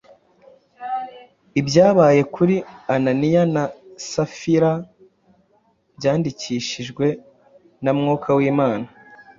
Ibyabaye kuri Ananiya na Safira byandikishijwe na Mwuka w’Imana,